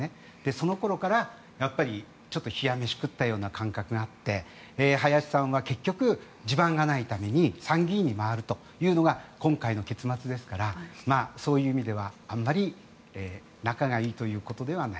その頃からちょっと冷や飯食ったような感覚があって林さんは結局、地盤がないために参議院に回るというのが今回の結末ですからそういう意味では仲がいいということではない。